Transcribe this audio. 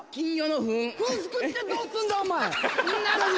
ふんすくってどうすんだ、お前。